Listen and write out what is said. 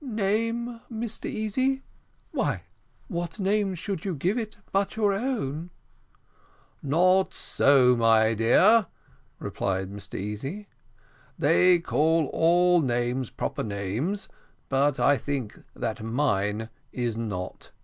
"Name, Mr Easy! why, what name should you give it but your own?" "Not so, my dear," replied Mr Easy; "they call all names proper names, but I think that mine is not.